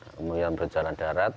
kemudian berjalan darat